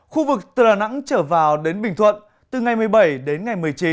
khu vực từ đà nẵng trở vào đến bình thuận từ ngày một mươi bảy đến ngày một mươi chín